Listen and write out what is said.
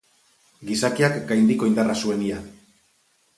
Gizakiaz gaindiko indarra zuen ia.